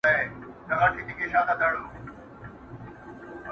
د انغري له خوانه خړې سونډې بيا راغلله،